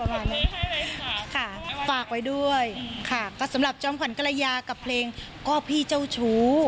ประมาณนี้ค่ะฝากไว้ด้วยค่ะสำหรับจ้อมขวัญกะระยากับเพลงก็พี่เจ้าชู้